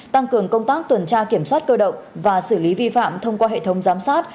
tăng cường công tác tuần tra kiểm soát cơ động và xử lý vi phạm thông qua hệ thống giám sát